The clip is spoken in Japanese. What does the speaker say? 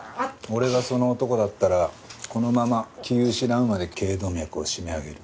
俺がその男だったらこのまま気ぃ失うまで頸動脈を絞め上げる。